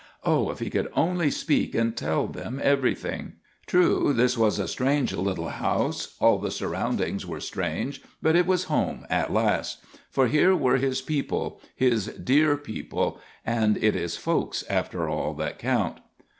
Oh, if he could only speak and tell them everything! True, this was a strange little house; all the surroundings were strange. But it was home at last! For here were his people, his dear people, and it is folks, after all, that count.